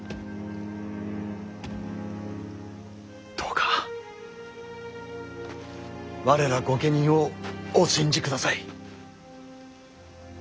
どうか我ら御家人をお信じください。